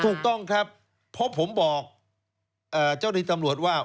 ถูกต้องครับเพราะผมบอกเจ้าที่ตำรวจว่า